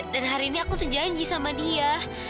dan hari ini aku sejanji sama dia